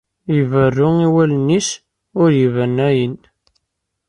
Iberru i wallen-is ur iban ayen?